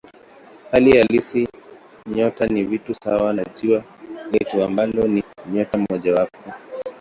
Hali halisi nyota ni vitu sawa na Jua letu ambalo ni nyota mojawapo.